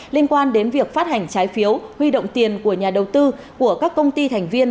liên quan đến việc phát hành trái phiếu huy động tiền của nhà đầu tư của các công ty thành viên